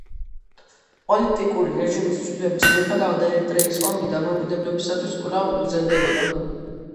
პოლიტიკური რეჟიმის ცვლილების მიუხედავად ერიტრეის ომი დამოუკიდებლობისათვის კვლავ გრძელდებოდა.